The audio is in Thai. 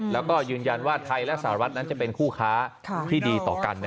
แล้วก็ยืนยันว่าไทยและสหรัฐนั้นจะเป็นคู่ค้าที่ดีต่อกัน